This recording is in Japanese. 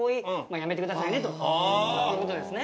やめてくださいねという事ですね。